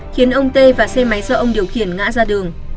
khiến ông tê và xe máy do ông điều khiển ngã ra đường